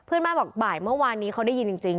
เพื่อนบ้านบอกบ่ายเมื่อวานนี้เขาได้ยินจริง